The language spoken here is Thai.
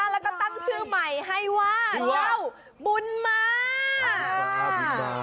แล้วก็ตั้งชื่อใหม่ให้ว่าเจ้าบุญมา